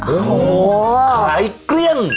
โอ้โหขายเกลี้ยง